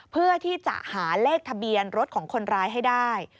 เพื่อที่จะหาเลขทะเบียนรถของคนร้ายให้ได้